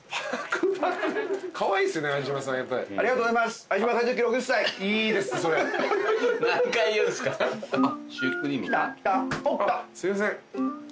すいません。